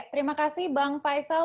terima kasih bang faisal